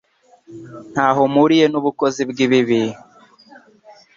nta ho mpuriye n’ubukozi bw’ibibi